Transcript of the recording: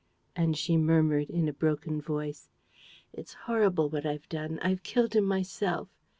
And she murmured, in a broken voice, "It's horrible, what I've done. I've killed him myself!